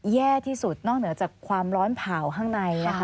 แย่ที่สุดนอกเหนือจากความร้อนเผ่าข้างในนะคะ